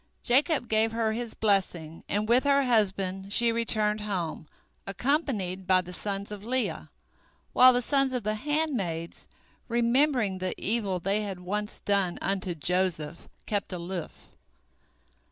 Jacob gave her his blessing, and with her husband she returned home, accompanied by the sons of Leah, while the sons of the handmaids, remembering the evil they had once done unto Joseph, kept aloof.